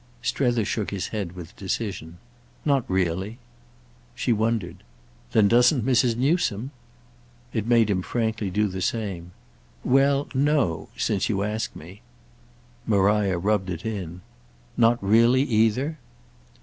Strether shook his head with decision. "Not really." She wondered. "Then doesn't Mrs. Newsome?" It made him frankly do the same. "Well, no—since you ask me." Maria rubbed it in. "Not really either?"